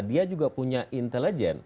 dia juga punya intelijen